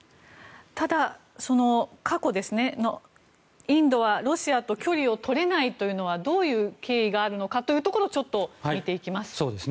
ただ、過去インドはロシアと距離を取れないというのはどういう経緯があるのかというのをちょっと見ていきます。